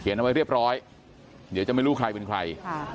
เอาไว้เรียบร้อยเดี๋ยวจะไม่รู้ใครเป็นใคร